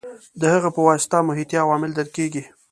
د هغې په واسطه محیطي عوامل درک کېږي.